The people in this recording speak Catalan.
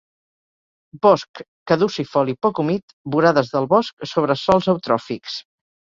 Bosc caducifoli poc humit, vorades del bosc sobre sòls eutròfics.